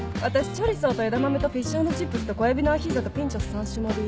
チョリソーと枝豆とフィッシュ＆チップスと小エビのアヒージョとピンチョス３種盛り。